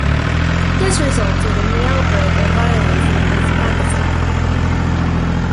This resulted in the outbreak of violence in East Pakistan.